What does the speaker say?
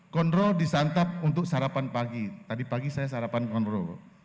kondro disantap untuk sarapan pagi tadi pagi saya sarapan kondrol